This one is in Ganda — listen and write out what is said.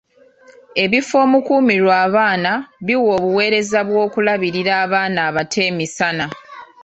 Ebifo omukuumirwa abaana biwa obuweereza bw'okulabirira abaana abato emisana.